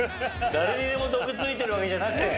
誰にでも毒づいてるわけじゃなくて。